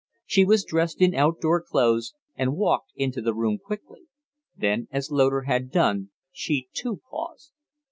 She was dressed in outdoor clothes, and walked into the room quickly; then, as Loder had done, she too paused.